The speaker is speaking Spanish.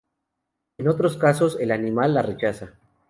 En otros casos, el animal la rechaza.